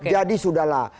jadi sudah lah